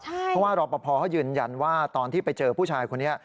เพราะว่ารอปภเขายืนยันว่าตอนที่ไปเจอผู้ชายคนนี้